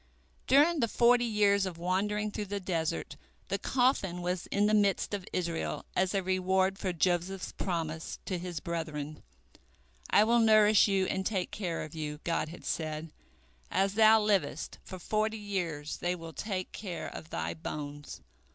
During the forty years of wandering through the desert, the coffin was in the midst of Israel, as a reward for Joseph's promise to his brethren, "I will nourish you and take care of you." God had said, "As thou livest, for forty years they will take care of thy bones."